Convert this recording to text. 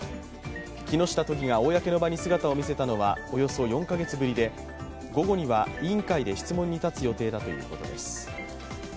木下都議が公の場に姿を見せたのは、およそ４カ月ぶりで午後には委員会で質問に立つ予定だということです。